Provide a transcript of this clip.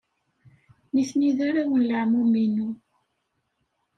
Nitni d arraw n leɛmum-inu.